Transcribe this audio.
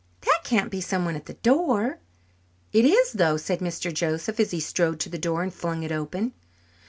That can't be someone at the door!" "It is, though," said Mr. Joseph as he strode to the door and flung it open.